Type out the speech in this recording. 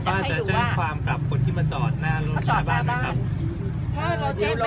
ว่าปุ๊กป้าจะเจ้งความกลับกฏที่มาจอดหน้าโรงการทรายบ้านเนี่ยครับ